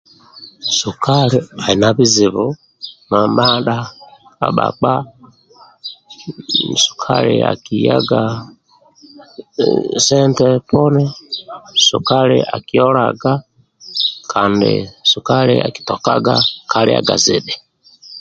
sukali ali na bizibu mamadha ka bhakpa sukali aki yaga sente poni sukali akiolaga sukali akitokaga ka liaga zidhi